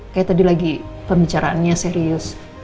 kayak tadi lagi pembicaraannya serius